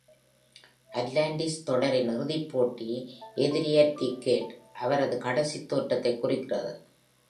"Atlantis" தொடரின் இறுதிப் போட்டி, "எதிரி அட் தி கேட்", அவரது கடைசி தோற்றத்தைக் குறிக்கிறது.